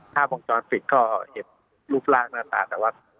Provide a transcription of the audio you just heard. ถ้าบอกจรภิกษ์ก็เห็นรูปร่างหน้าตา